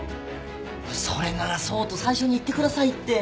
それならそうと最初に言ってくださいって。